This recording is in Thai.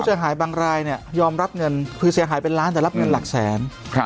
เสียหายบางรายเนี่ยยอมรับเงินคือเสียหายเป็นล้านแต่รับเงินหลักแสน